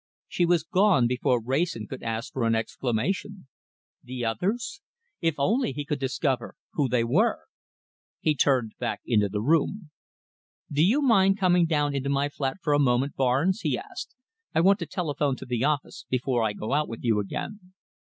She was gone before Wrayson could ask for an explanation. The others! If only he could discover who they were. He turned back into the room. "Do you mind coming down into my flat for a moment, Barnes?" he asked. "I want to telephone to the office before I go out with you again."